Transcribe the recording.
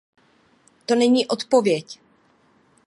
To není odpověď.